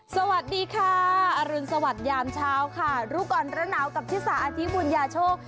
สวัสดีค่ะอรุณสวัสดิ์ยามเช้าค่ะรูปกรณ์และหนาวกับที่สระอาทิบุญญาโชค